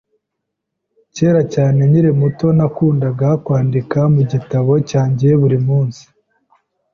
Kera cyane nkiri muto, nakundaga kwandika mu gitabo cyanjye buri munsi